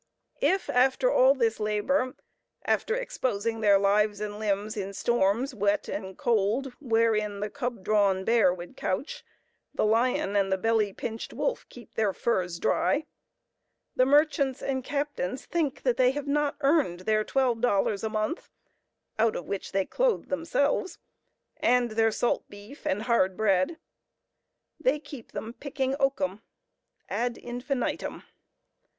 If, after all this labor—after exposing their lives and limbs in storms, wet and cold, "Wherein the cub drawn bear would couch; The lion and the belly pinched wolf Keep their furs dry;—" the merchants and captains think that they have not earned their twelve dollars a month (out of which they clothe themselves), and their salt beef and hard bread, they keep them picking oakum—ad infinitum.